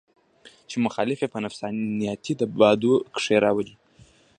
چې مخالف پۀ نفسياتي دباو کښې راولي